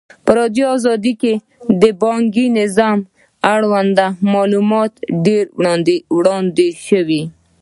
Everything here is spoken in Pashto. په ازادي راډیو کې د بانکي نظام اړوند معلومات ډېر وړاندې شوي.